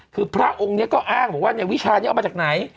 คือพระองค์นี้ก็อ้างบอกว่าวิชานี้เอามาจากไหน